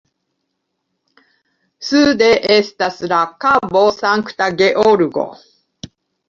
Sude estas la Kabo Sankta Georgo.